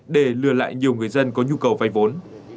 để lừa lại nhiều người dân có nhu cầu vay vốn